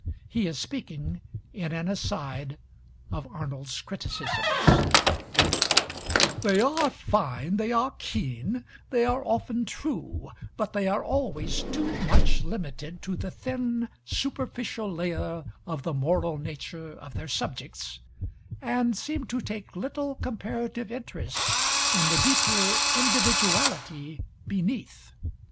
He is speaking, in an aside, of Arnold's criticisms: "They are fine, they are keen, they are often true; but they are always too much limited to the thin superficial layer of the moral nature of their subjects, and seem to take little comparative interest in the deeper individuality beneath.